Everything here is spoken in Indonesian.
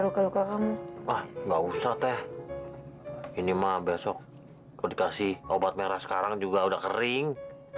luka luka kan wah nggak usah teh ini mah besok dikasih obat merah sekarang juga udah kering